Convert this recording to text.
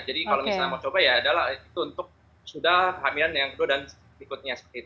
jadi kalau misalnya mau coba ya adalah itu untuk sudah hamilan yang kedua dan berikutnya seperti itu